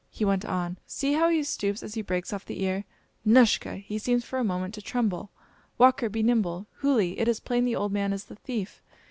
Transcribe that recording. He went on: "See how he stoops as he breaks off the ear. Nushka! He seems for a moment to tremble. Walker, be nimble! Hooli! It is plain the old man is the thief."